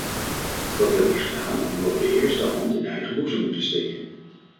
Dat heb ik gedaan omdat we eerst de hand in eigen boezem moeten steken.